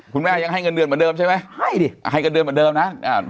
คุณแม่ยังให้เงินเดือนเหมือนเดิมใช่ไหมให้ดิให้เงินเดือนเหมือนเดิมนะ